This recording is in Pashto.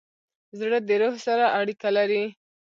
زړه د روح سره اړیکه لري.